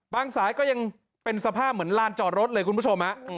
สายก็ยังเป็นสภาพเหมือนลานจอดรถเลยคุณผู้ชม